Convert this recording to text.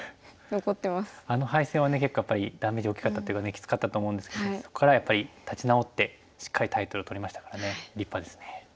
あの敗戦はね結構やっぱりダメージ大きかったというかねきつかったと思うんですけどそこからやっぱり立ち直ってしっかりタイトルを取りましたからね立派ですね。